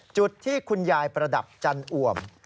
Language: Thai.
จุดที่คุณยายประดับจันอ่วม